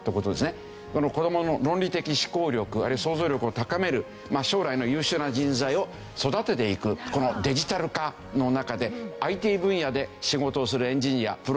子どもの論理的思考力あるいは想像力を高める将来の優秀な人材を育てていくこのデジタル化の中でＩＴ分野で仕事をするエンジニアプログラマー